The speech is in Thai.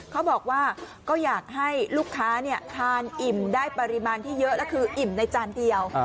เขาบอกว่าก็อยากให้ลูกค้าทานอิ่มได้ปริมาณที่เยอะแล้วคืออิ่มในจานเดียว